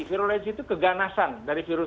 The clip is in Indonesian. virulensi itu keganasan dari virus